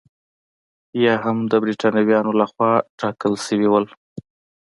یا هم د برېټانویانو لخوا ټاکل شوي وو.